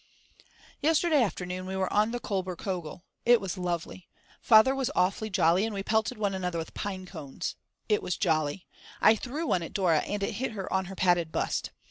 Yesterday afternoon we were on the Kolber Kogel. It was lovely. Father was awfully jolly and we pelted one another with pine cones. It was jolly. I threw one at Dora and it hit her on her padded bust.